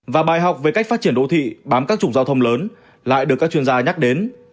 và bài học về cách phát triển đô thị bám các trục giao thông lớn lại được các chuyên gia nhắc đến